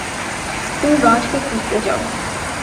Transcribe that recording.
তুমি বাযকে খুঁজতে যাও।